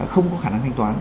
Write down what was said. không có khả năng thanh toán